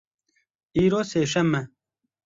Îro sêşem e.